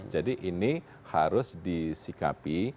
jadi ini harus disikapi